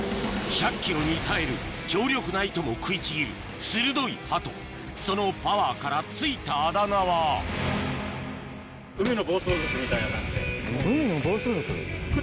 １００ｋｇに耐える強力な糸も食いちぎるとそのパワーから付いたあだ名は海の暴走族？